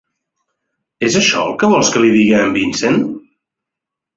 És això el que vols que li digui a en Vincent?